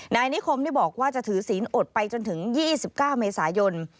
นายนิคมนี่บอกว่าจะถือศีลอดไปจนถึง๒๙เมษายน